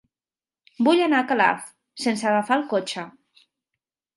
Vull anar a Calaf sense agafar el cotxe.